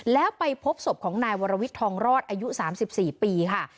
แล้วไปพบศพของนายวรวิทย์ทองรอดอายุ๓๔ปีค่ะ